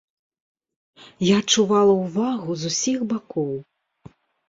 Я адчувала ўвагу з усіх бакоў!